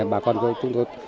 bà con với chúng tôi